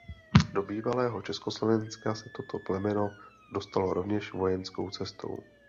Do bývalého Československa se toto plemeno dostalo rovněž vojenskou cestou.